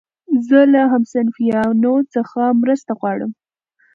زه له همصنفيانو څخه مرسته غواړم.